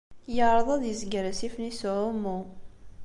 Yeɛreḍ ad yezger asif-nni s uɛumu.